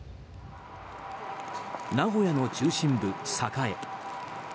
名古屋の中心部、栄。